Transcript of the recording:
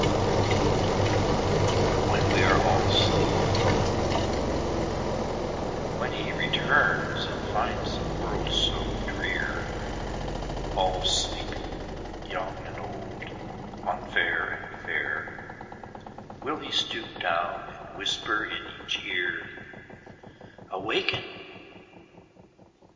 1840 When We Are All Asleep WHEN He returns, and finds the world so drear, All sleeping, young and old, unfair and fair, Will he stoop down and whisper in each ear,"Awaken!"